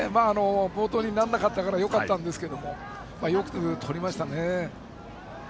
暴投にならなかったからよかったんですがよくとりましたね。